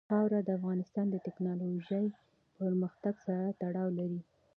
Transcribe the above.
خاوره د افغانستان د تکنالوژۍ پرمختګ سره تړاو لري.